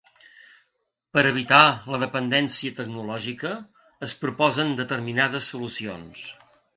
Per evitar la dependència tecnològica, es proposen determinades solucions.